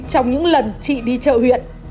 trong những lần chị đi chợ huyện